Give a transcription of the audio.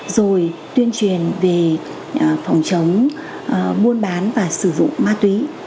rồi tuyên truyền về phòng chống buôn bán và sử dụng ma túy